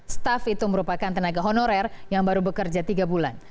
staf itu merupakan tenaga honorer yang baru bekerja tiga bulan